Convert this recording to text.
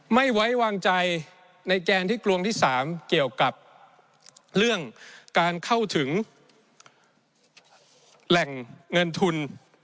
ไม่ไว้วางใจในแกนที่กลวงที่๓เกี่ยวกับเรื่องการเข้าถึงแหล่งเงินทุน